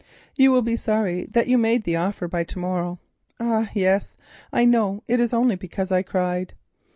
You will be sorry that you made the offer by to morrow. Ah, yes, I know it is only because I cried.